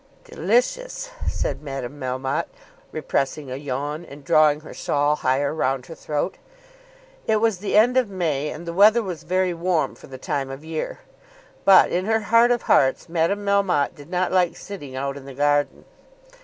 "Delicious," said Madame Melmotte, repressing a yawn, and drawing her shawl higher round her throat. It was the end of May, and the weather was very warm for the time of the year; but, in her heart of hearts, Madame Melmotte did not like sitting out in the garden.